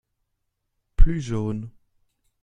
Plus jaune.